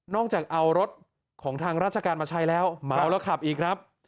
จากเอารถของทางราชการมาใช้แล้วเมาแล้วขับอีกครับ